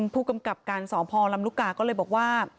ผู้กำกับการสอบพรรณรุกาก็เลยบอกว่า